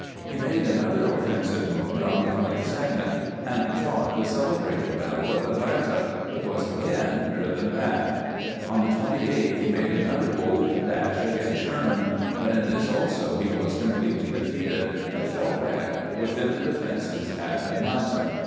He made another offensive movement on the 22d, and fought the celebrated battle of Atlanta, but was again driven back. On the 28th he made another bold dash against Sherman, but in this also he was completely defeated, and feU back within the defenses at Atlanta.